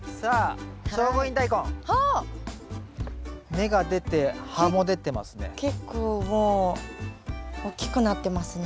芽が出て葉も出てますね。